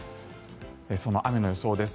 その雨の予想です。